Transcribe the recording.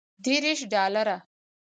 دېرش ډالره.